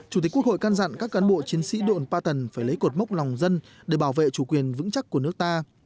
chủ tịch quốc hội căn dặn các cán bộ chiến sĩ đồn ba tần phải lấy cột mốc lòng dân để bảo vệ chủ quyền vững chắc của nước ta